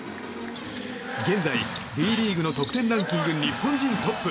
現在Ｂリーグの得点ランキング日本人トップ。